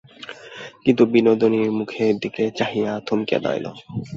কিন্তু বিনোদিনীর মুখের দিকে চাহিয়া থমকিয়া দাঁড়াইল।